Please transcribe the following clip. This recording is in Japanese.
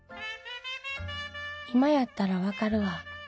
今やったらわかるわ。